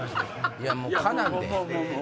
いやもうかなわんで。